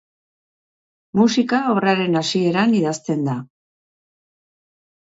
Musika obraren hasieran idazten da.